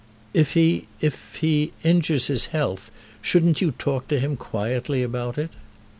"If he, if he, injures his health, shouldn't you talk to him quietly about it?"